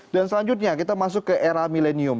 dan selanjutnya kita masuk ke era milenium